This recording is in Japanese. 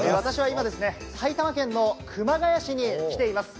私は今ですね、埼玉県の熊谷市に来ています。